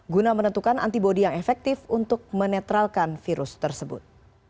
guna menentukan antibody yang efektif untuk menetralkan virus tersebut